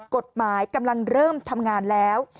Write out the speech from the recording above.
กรดหมายกำลังเริ่มทำงานแล้ว